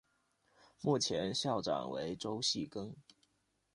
目前校长为周戏庚。